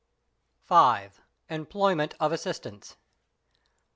(5) EMPLOYMENT OF ASSISTANTS.